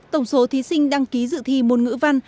tổng số thí sinh đăng ký dự thi môn ngữ văn